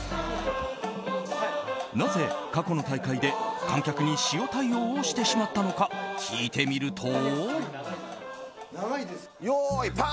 なぜ過去の大会で観客に塩対応をしてしまったのか聞いてみると。